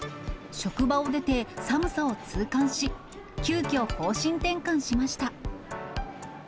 職場を出て、寒さを痛感し、急きょ方針転換しました。